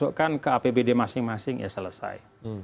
udah deh semuanya kita masukkan ke apbd masing masing ya selesai